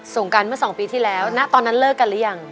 ส่งกันเมื่อสองปีที่แล้วณตอนนั้นเลิกกันหรือยัง